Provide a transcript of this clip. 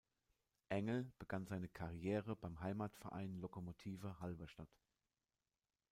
Engel begann seine Karriere beim Heimatverein Lokomotive Halberstadt.